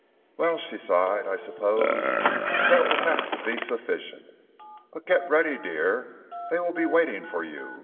"Well," she sighed, "I suppose that will have to be sufficient. But get ready, dear; they will be waiting for you!"